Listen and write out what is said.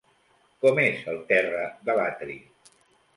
Com és el terra de l'atri?